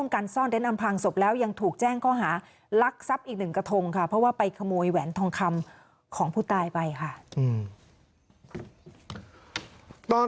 มีกลับไปเกินต์เดียวกันเข้านะับกุ้มกางแกร่สั้น